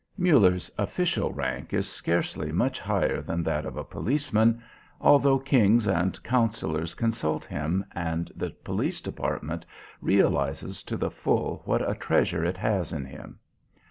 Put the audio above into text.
Muller's official rank is scarcely much higher than that of a policeman, although kings and councillors consult him and the Police Department realises to the full what a treasure it has in him.